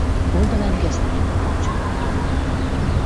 Oldalán gesztenyebarna csíkok vannak.